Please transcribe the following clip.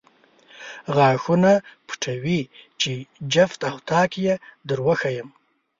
غاښونه پټوې چې جفت او طاق یې در وښایم.